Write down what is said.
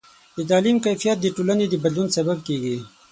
د تعلیم کیفیت د ټولنې د بدلون سبب کېږي.